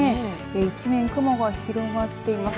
一面雲が広がっています。